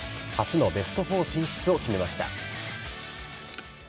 初のベストフォー進出を決めました。